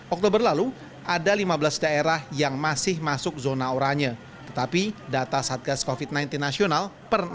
oktober lalu ada lima belas daerah yang masih masuk zona oranye tetapi data satgas kofit sembilan belas nasional per